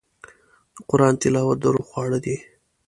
د قرآن تلاوت د روح خواړه دي.